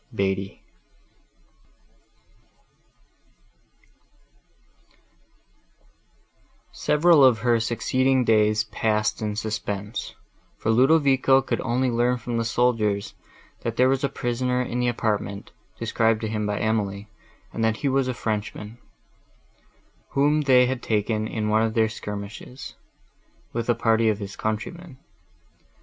BEATTIE Several of her succeeding days passed in suspense, for Ludovico could only learn from the soldiers, that there was a prisoner in the apartment, described to him by Emily, and that he was a Frenchman, whom they had taken in one of their skirmishes, with a party of his countrymen.